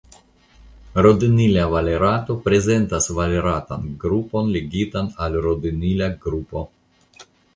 Rodinila valerato prezentas valeratan grupon ligitan al rodinila grupo.